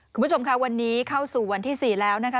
คุณผู้ชมค่ะวันนี้เข้าสู่วันที่๔แล้วนะคะ